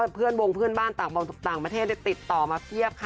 เพื่อนวงเพื่อนบ้านต่างประเทศได้ติดต่อมาเทียบค่ะ